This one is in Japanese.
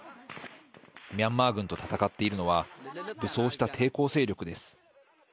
ミャンマー軍と戦っているのは武装した抵抗勢力です。